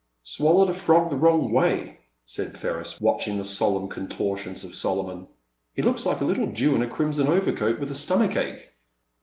Swallowed a firog the wrong way," said Ferris, watching the solemn contortions of Solo mon ; '*he looks like a tittle Jew in a crimson overcoat with a stomach ache.